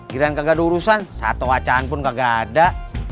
giliran gak ada urusan satu wacahan pun gak ada